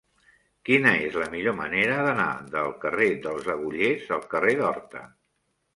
Quina és la millor manera d'anar del carrer dels Agullers al carrer d'Horta?